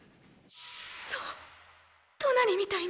そうトナリみたいに！！